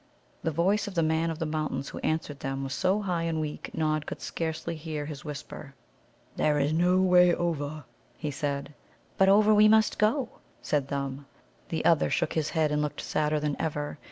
The voice of the Man of the Mountains who answered them was so high and weak Nod could scarcely hear his whisper. "There is no way over," he said. "But over we must go," said Thumb. The other shook his head, and looked sadder than ever.